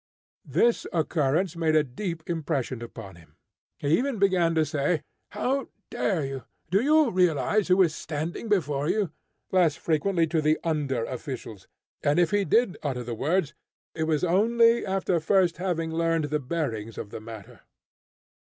This occurrence made a deep impression upon him. He even began to say, "How dare you? Do you realise who is standing before you?" less frequently to the under officials, and, if he did utter the words, it was only after first having learned the bearings of the matter.